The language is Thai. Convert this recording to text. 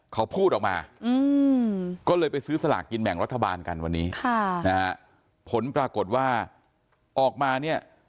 เขาพูดออกมาก็เลยไปซื้อสลากกินแบ่งรัฐบาลกันวันนี้ผลปรากฏว่าออกมาเนี่ย